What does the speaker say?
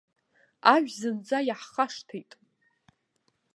Ажә зынӡа иаҳхашҭит!